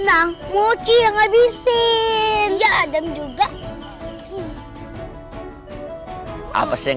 yang lain kan belum pada datang